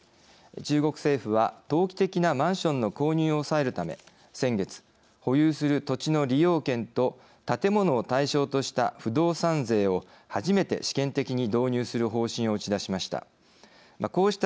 中国政府は投機的なマンションの購入を抑えるため、先月保有する土地の利用権と建物を対象とした不動産税を初めて試験的に導入する方針を打ち出しました。